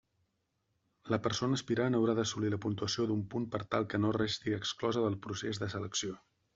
La persona aspirant haurà d'assolir la puntuació d'un punt per tal que no resti exclosa del procés de selecció.